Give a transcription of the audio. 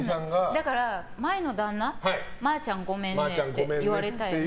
だから前の旦那さんマーちゃんごめんねって言われたよね。